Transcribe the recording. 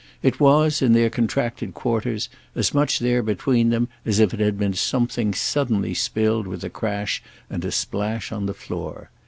It was, in their contracted quarters, as much there between them as if it had been something suddenly spilled with a crash and a splash on the floor.